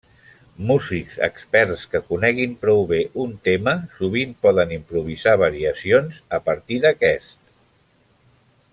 Músics experts que coneguin prou bé un tema sovint poden improvisar variacions a partir d'aquest.